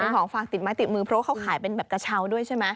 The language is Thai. ของฝากติดไม้ติดมือเพราะว่าเขาขายเป็นแบบกระเช้าด้วยใช่ไหม